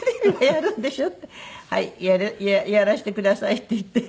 やらせてください」って言って。